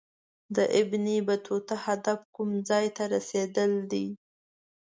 د ابن بطوطه هدف کوم ځای ته رسېدل دي.